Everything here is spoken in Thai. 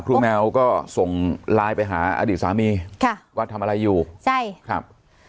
แมวก็ส่งไลน์ไปหาอดีตสามีค่ะว่าทำอะไรอยู่ใช่ครับ